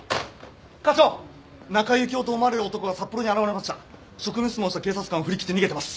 課長中井幸雄と思われる男が札幌に現れました職務質問した警察官を振り切って逃げてます